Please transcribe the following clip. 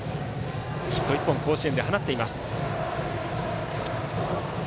ヒット１本甲子園で放っています。